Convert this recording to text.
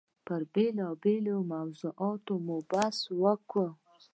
پر بېلابېلو موضوعاتو بحث مو کاوه.